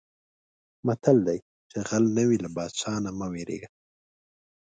متل دی: چې غل نه وې له پادشاه نه مه وېرېږه.